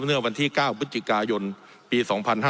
เมื่อวันที่๙พฤศจิกายนปี๒๕๕๙